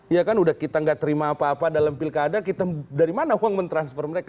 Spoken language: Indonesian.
ya kan udah kita gak terima apa apa dalam pilkada kita dari mana uang mentransfer mereka